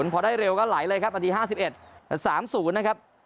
พอได้เร็วก็ไหลเลยครับนาที๕๑๓๐นะครับ